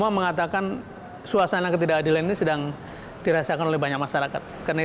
karena aksi bengis terorisme dan kejahatan kita yang sangat terjadi